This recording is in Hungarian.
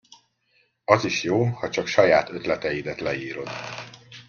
Az is jó, ha csak saját ötleteidet leírod.